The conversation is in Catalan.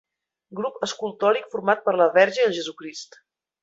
Grup escultòric format per la Verge i Jesucrist.